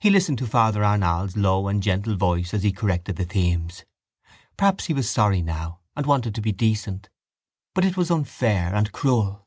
He listened to Father Arnall's low and gentle voice as he corrected the themes. Perhaps he was sorry now and wanted to be decent. But it was unfair and cruel.